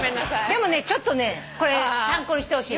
でもちょっと参考にしてほしい。